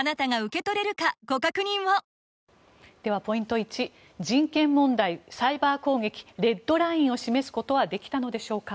１人権問題、サイバー攻撃レッドラインを示すことはできたのでしょうか。